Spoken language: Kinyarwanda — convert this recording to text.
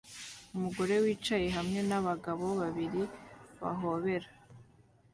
Umugore wicaye hamwe nabagabo babiri bahobera